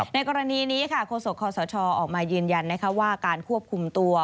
ในกรณีนี้ค่ะโฆษกคอสชออกมายืนยันว่าการควบคุมตัว